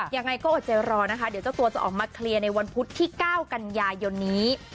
ยังไงก็อดใจรอนะคะเดี๋ยวเจ้าตัวจะออกมาเคลียร์ในวันพุธที่๙กันยายนนี้